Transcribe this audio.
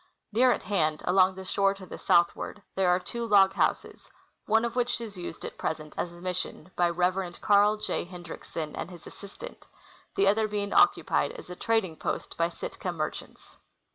Near at hand, along the shore to the southward, there are two log houses, one of which is used at present as a mission liy Reverend Carl J. Hendriksen and his assistant, the other being occupied as a trading post by Sitka merchants.